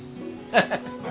ハハハハ。